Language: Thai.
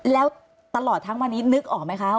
แล้วตลอดทั้งวันนี้นึกออกไหมคะ